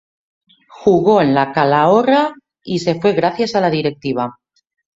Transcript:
Jugo en el Calahorra y se fue gracias a la directiva